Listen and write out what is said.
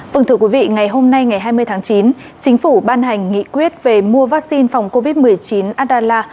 vâng thưa quý vị ngày hôm nay ngày hai mươi tháng chín chính phủ ban hành nghị quyết về mua vaccine phòng covid một mươi chín addallah